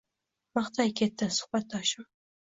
maqtay ketdi suhbatdoshim